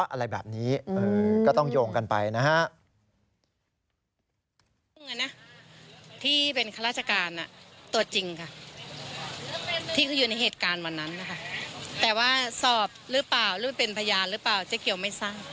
อะไรแบบนี้ก็ต้องโยงกันไปนะฮะ